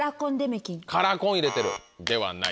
カラコン入れてるではない。